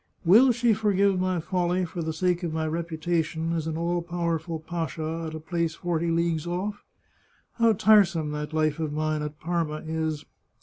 " Will she forgive my folly for the sake of my reputation as an all powerful pasha at a place forty leagues off ? How tiresome that life of mine at Parma is